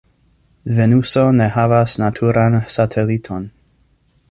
Venuso ne havas naturan sateliton.